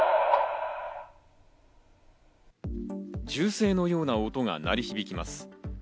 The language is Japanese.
銃声のような音が鳴り響きます。